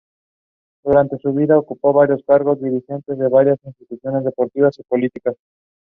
Both were ordinary peasants.